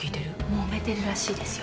もめてるらしいですよ。